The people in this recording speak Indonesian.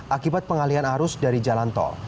akibat pengalian arus dari jalan tol